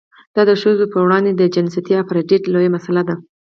دا د ښځو پر وړاندې د جنسیتي اپارټایډ لویه مسله ده.